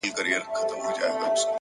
علم د عقل او فکر توازن دی,